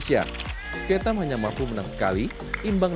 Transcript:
saya mobil nyuruh menutupi perang